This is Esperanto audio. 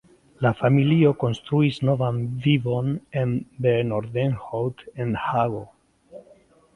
La familio konstruis novan vivon en Benoordenhout en Hago.